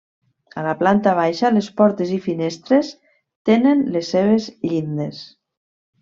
A la planta baixa les portes i finestres tenen les seves llindes.